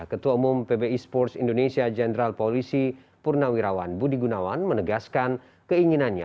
ketua umum pb esports indonesia jenderal polisi purnawirawan budi gunawan menegaskan keinginannya